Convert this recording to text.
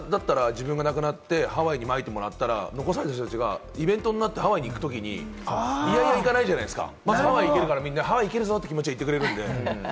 僕だったら自分が亡くなって、ハワイにまいてもらったら、残された人たちがイベントになってハワイに行ったら、嫌々行かないじゃないですか。